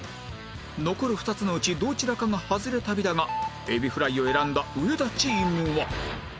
残る２つのうちどちらかがハズレ旅だがエビフライを選んだ上田チームは